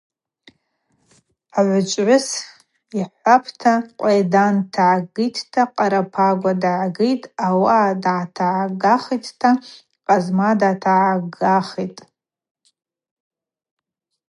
Агӏвычӏвгӏвыс, йхӏхӏвапӏта, Къвайдан дтыгӏгитӏта Къарапагва дыгӏгитӏ, ауаъа дататыгӏгахитӏта Къазма датагӏгахитӏ.